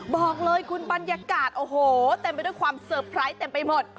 บอกเลยคุณบรรยากาศโอ้โหเต็มไปด้วยความเซอร์ไพรส์เต็มไปหมด